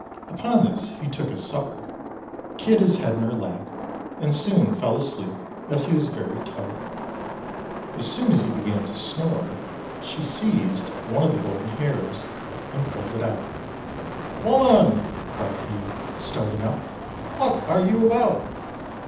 Upon this he took his supper, kid his head in her lap, and soon fell asleep, as he was very tired. As soon as he began to snore she seized one of the golden hairs and pulled it out. "Woman!" cried he, starting up, "what are you about?"